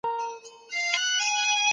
په هر حالت کي خپل عزت مه بايله.